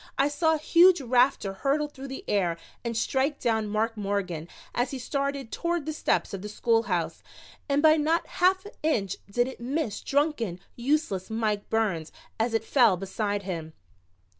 I saw a huge rafter hurtle through the air and strike down Mark Morgan as he started toward the steps of the schoolhouse, and by not a half inch did it miss drunken, useless Mike Burns as it fell beside him.